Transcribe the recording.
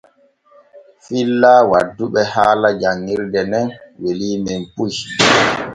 Filla wadduɓe haala janŋirde nen weliimen puy.